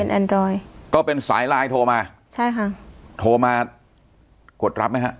แอนดรอยก็เป็นสายไลน์โทรมาใช่ค่ะโทรมากดรับไหมฮะ